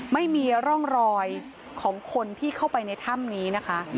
ไม่มีร่องรอยของคนที่เข้าไปในถ้ำนี้นะคะ